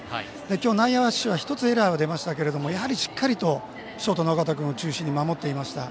今日、内野手は１つエラーが出ましたが、やはりしっかりショートの緒方君を中心に守っていました。